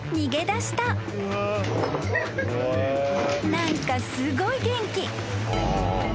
［何かすごい元気］